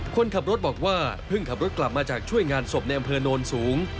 คนขับรถบอกว่าเพิ่งขับรถกลับมาจากช่วยงานศพในอำเภอโนนสูง